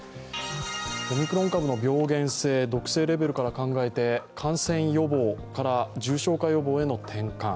オミクロン株の病原性、毒性レベルから考えて感染予防から、重症化予防への転換。